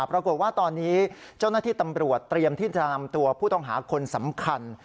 ปรากฏว่าตอนนี้เจ้าหน้าที่ตำรวจเตรียมที่จะนำตัวผู้ต้องหาคนสำคัญ